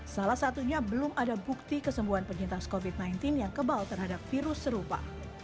salah satunya belum ada bukti kesembuhan penyintas covid sembilan belas yang kebal terhadap virus serupa